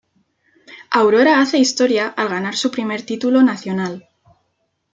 Aurora hace historia al ganar su primer título nacional.